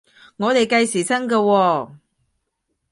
我哋計時薪嘅喎？